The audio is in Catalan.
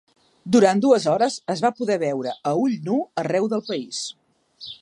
Durant dues hores es va poder veure a ull nu arreu del país.